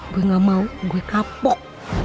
gue gak mau gue kapok